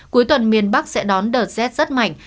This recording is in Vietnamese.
cuối tuần miền bắc sẽ đón đợt rét rất mạnh